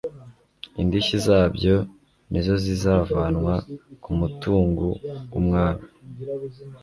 indishyi zabyo na zo zizavanwa ku mutungu w'umwami